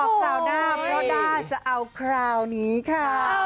พระรดาจะเอาคราวนี้ค่ะ